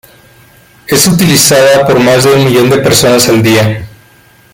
Es utilizada por más de un millón de personas al día.